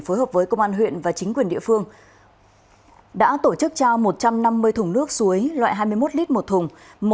phối hợp với công an huyện và chính quyền địa phương đã tổ chức trao một trăm năm mươi thùng nước suối loại hai mươi một lít một thùng